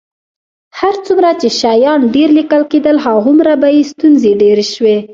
هر څومره چې شیان ډېر لیکل کېدل، همغومره به یې ستونزې ډېرې شوې.